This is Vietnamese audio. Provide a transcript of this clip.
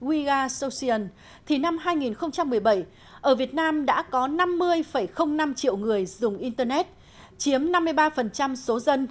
we are social thì năm hai nghìn một mươi bảy ở việt nam đã có năm mươi năm triệu người dùng internet chiếm năm mươi ba số dân